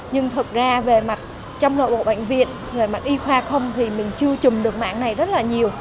nhưng thực ra về mặt trong nội bộ bệnh viện về mặt y khoa không thì mình chưa chùm được mạng này rất là nhiều